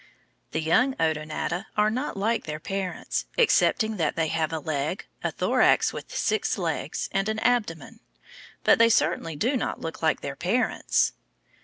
The young Odonata are not like their parents, excepting that they have a head, a thorax with six legs, and an abdomen. But they certainly do not look like their parents!